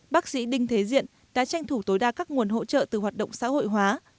bác sĩ đinh thế diện đã tranh thủ tối đa các nguồn hỗ trợ từ hoạt động xã hội hóa